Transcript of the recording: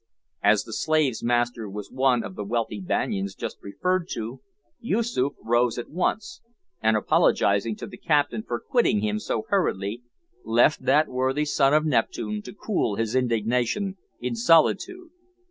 As the slave's master was one of the wealthy Banyans just referred to, Yoosoof rose at once, and, apologising to the captain for quitting him so hurriedly, left that worthy son of Neptune to cool his indignation in solitude.